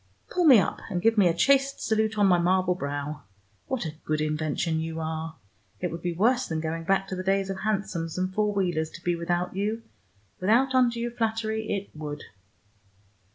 Pull me up, and give me a chaste salute on my marble brow. What a good invention you are! It would be worse than going back to the days of hansoms and four wheelers to be without you. Without undue flattery, it would!"